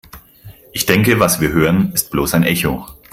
Ich denke, was wir hören, ist bloß ein Echo.